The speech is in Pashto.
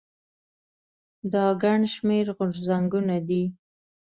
دا ګڼ شمېر غورځنګونه دي.